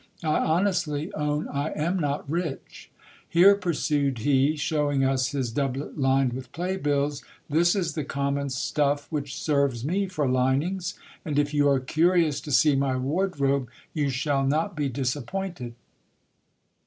I honestly own I am not rich. Here, pursued he, showing us his doublet lined with playbills, this is the common stuff which serves me for linings ; and if you 72 GIL BLAS. are curious to see my wardrobe, you shall not be disappointed.